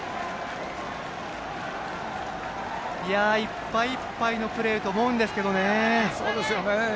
いっぱいいっぱいのプレーだと思うんですけどね。